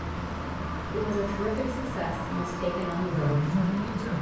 It was a terrific success and was taken on the road.